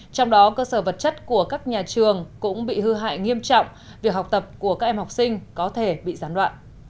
trong đó cơ sở vật chất của các nhà trường cũng bị hư hại nghiêm trọng việc học tập của các em học sinh có thể bị gián đoạn